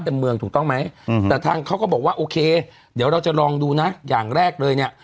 เดี๋ยวเราจะลองดูนะอย่างแรกเลยเนี่ย